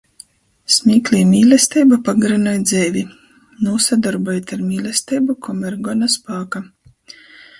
Smīkli i mīlesteiba pagarynoj dzeivi! Nūsadorbojit ar mīlesteibu, komer gona spāka...